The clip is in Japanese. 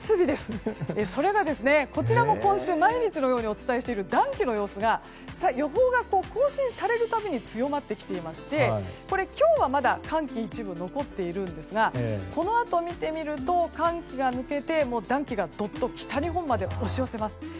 それがこちらも今週毎日のようにお伝えしている暖気の予想が予報が更新される度に強まっていまして今日は、まだ寒気が一部で残っているんですがこのあと見てみると寒気が抜けて暖気がどっと北日本まで押し寄せます。